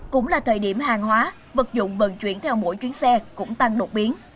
cũng là thời điểm hàng hóa vật dụng vận chuyển theo mỗi chuyến xe cũng tăng đột biến